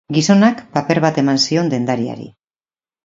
Gizonak paper bat eman zion dendariari.